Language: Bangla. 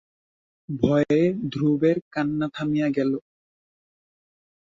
ভয়ে ধ্রুবের কান্না থামিয়া গেল।